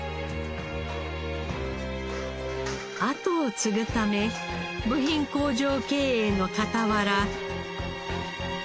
跡を継ぐため部品工場経営の傍ら。